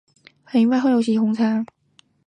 很意外会有红茶